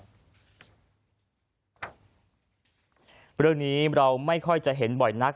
เรื่องนี้เราไม่ค่อยจะเห็นบ่อยนัก